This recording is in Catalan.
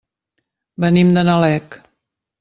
Venim de Nalec.